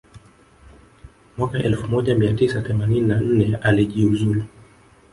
mwaka elfu moja mia tisa themanini na nne alijiuzulu